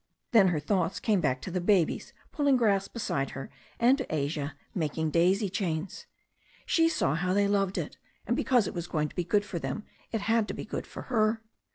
Then her thoughts came back to the babies pulling grass beside her, and to Asia making daisy chains. She saw how they loved it, and because it was going to be good for them it had to be good for her.